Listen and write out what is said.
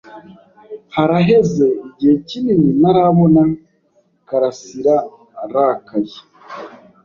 Haraheze igihe kinini ntarabona Karasiraarakaye.